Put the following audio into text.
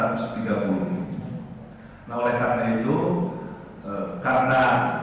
nah oleh karena itu karena